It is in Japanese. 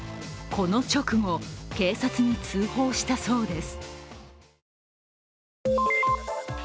この直後、警察に通報したそうです。